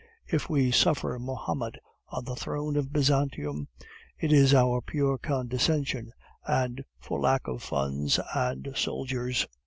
If we suffer Mahmoud on the throne of Byzantium, it is out of pure condescension, and for lack of funds and soldiers."